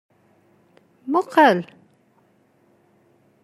Mmuqqel!